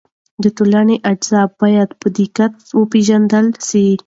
د ټولنې اجزا باید په دقت وپېژندل سي.